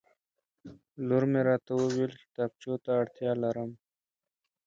لور مې راته وویل کتابچو ته اړتیا لرم